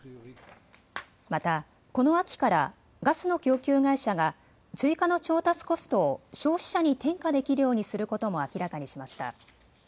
またこの秋からガスの供給会社が追加の調達コストを消費者に転嫁できるようにすることも明らかにしました。